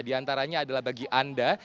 di antaranya adalah bagi anda